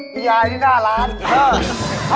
มียายตรงด้านล่าเออ